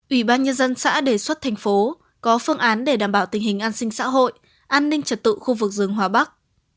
ubnd xã đề xuất thành phố có phương án để đảm bảo tình hình an sinh xã hội an ninh trật tự khu vực rừng hòa bắc